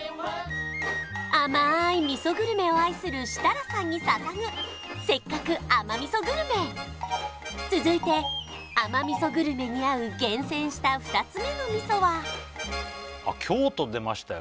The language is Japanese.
甘い味噌グルメを愛する設楽さんにささぐせっかく甘味噌グルメ続いて甘味噌グルメに合う厳選した２つ目の味噌は京都出ましたよ